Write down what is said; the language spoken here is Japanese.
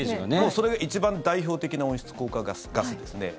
それ、一番代表的な温室効果ガスですね。